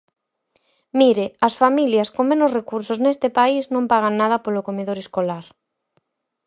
Mire, as familias con menos recursos neste país non pagan nada polo comedor escolar.